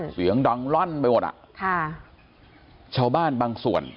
เสียงดังล่อนไปหมดอ่ะค่ะชาวบ้านบางส่วน